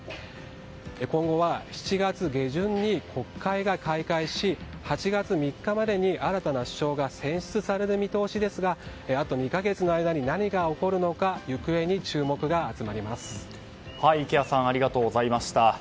今後は７月下旬に国会が開会し８月３日までに新たな首相が選出される見通しですがあと２か月の間に何が起こるのか池谷さんありがとうございました。